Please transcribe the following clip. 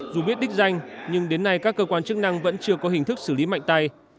dù biết đích danh nhưng đến nay các cơ quan chức năng vẫn chưa có hình thức xử lý mạnh tay